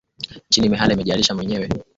nchi imehala imejihalalisha yenyewe so imehalali